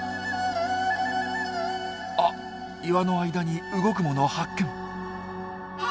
あっ岩の間に動くもの発見。